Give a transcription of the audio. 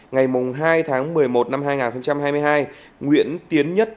ngày hai tháng một mươi một năm hai nghìn hai mươi hai nguyễn tiến nhất